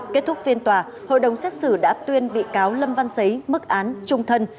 kết thúc phiên tòa hội đồng xét xử đã tuyên bị cáo lâm văn xấy mức án trung thân